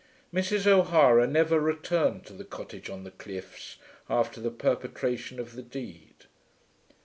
Mrs. O'Hara never returned to the cottage on the cliffs after the perpetration of the deed.